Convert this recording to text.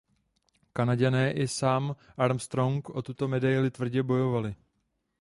Kanaďané i sám Armstrong o tuto medaili tvrdě bojovali.